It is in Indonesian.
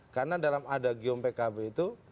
karena dalam adagium pkb itu